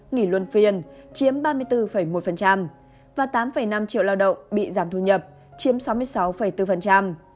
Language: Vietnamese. nghỉ luân phiên chiếm ba mươi bốn một và tám năm triệu lao động bị giảm thu nhập chiếm sáu mươi sáu bốn